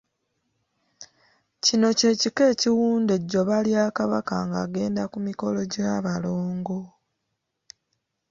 Kino kye kika ekiwunda ejjoba lya Kabaka ng'agenda ku mikolo gy'abalongo.